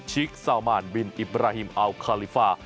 ชิคซาวมานบินอิบราฮิมอัลคาลิฟา